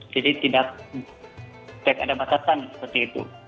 jadi tidak ada masakan seperti itu